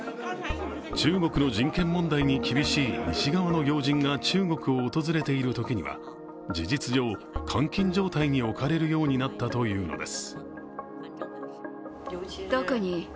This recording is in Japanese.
中国の人権問題に厳しい西側の要人が中国を訪れているときには、事実上監禁状態に置かれるようになったというのです。